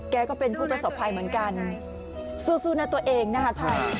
ก็เป็นผู้ประสบภัยเหมือนกันสู้นะตัวเองนะคะภัย